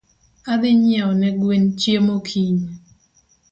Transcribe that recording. Adhi nyieo ne gwen chiemo kiny.